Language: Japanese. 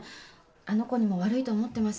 あの子にも悪いと思ってます。